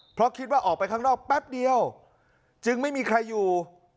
เพราะคิดว่าออกไปข้างนอกแป๊บเดียวจึงไม่มีใครอยู่